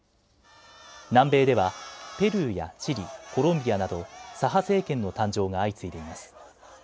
南米ではペルーやチリ、コロンビアなど左派政権の誕生が相次いでいます。